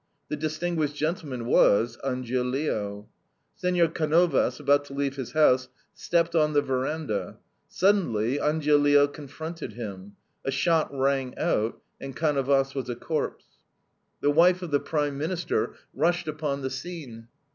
The distinguished gentleman was Angiolillo. Senor Canovas, about to leave his house, stepped on the veranda. Suddenly Angiolillo confronted him. A shot rang out, and Canovas was a corpse. The wife of the Prime Minister rushed upon the scene.